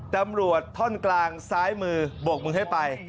ตำรวจท่อนกลางซ้ายมือบกมือให้ไป